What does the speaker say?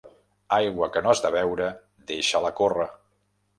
Aigua que no has de beure, deixa-la córrer.